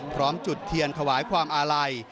พร้อมจุดเทียนถวายความอาลัย